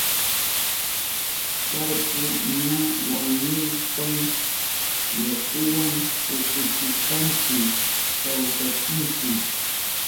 Tarpu ña wañuhushpan yakuwa ukuchishpanchi kawsachinchi.